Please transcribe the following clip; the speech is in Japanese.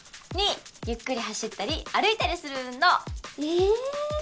２ゆっくり走ったり歩いたりする運動ええ